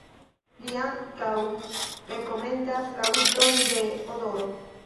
Li ankaŭ rekomendas la uzon de odoro.